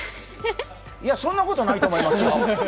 いや、そんなことはないと思いますよ。